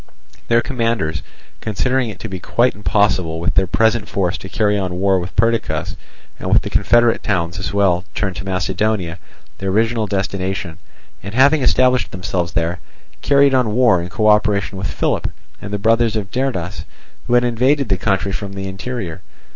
Their commanders, considering it to be quite impossible with their present force to carry on war with Perdiccas and with the confederate towns as well turned to Macedonia, their original destination, and, having established themselves there, carried on war in co operation with Philip, and the brothers of Derdas, who had invaded the country from the interior.